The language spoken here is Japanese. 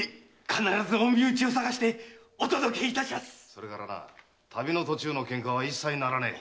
それから旅の途中の喧嘩は一切ならねえ。